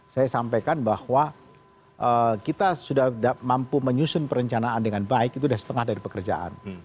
saya sampaikan bahwa kita sudah mampu menyusun perencanaan dengan baik itu sudah setengah dari pekerjaan